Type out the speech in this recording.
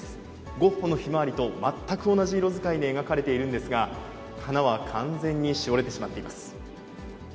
ゴッホのひまわりと全く同じ色使いで描かれているんですが、花は完全にしおれてしまっています。